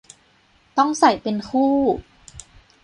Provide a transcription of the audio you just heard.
ต้องใส่เป็นคู่